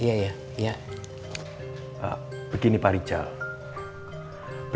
itu kok besar lagi